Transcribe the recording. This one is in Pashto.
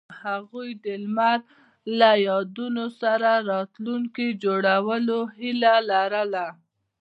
هغوی د لمر له یادونو سره راتلونکی جوړولو هیله لرله.